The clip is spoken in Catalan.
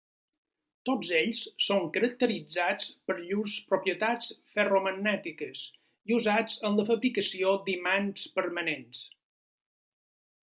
Tots ells són caracteritzats per llurs propietats ferromagnètiques i usats en la fabricació d'imants permanents.